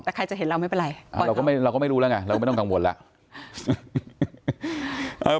แต่ใครจะเห็นเราไม่เป็นไรเราก็ไม่รู้แล้วไงเราก็ไม่ต้องกังวลแล้ว